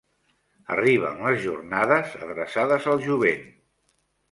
Arriben les jornades adreçades al jovent.